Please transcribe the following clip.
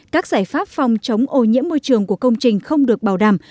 các giải pháp phòng chống ô nhiễm môi trường của công trình không được bảo đảm